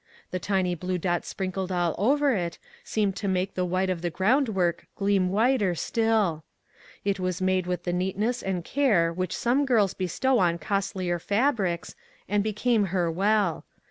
The tiny blue dots sprinkled all over it, seemed to make the white of the groundwork gleam whiter still. It was made with the neat ness and care which some girls bestow on costlier fabrics, and became her well.